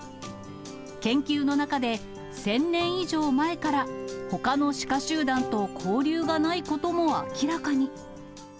研究の中で、１０００年以上前からほかのシカ集団と交流がないことも明らかに。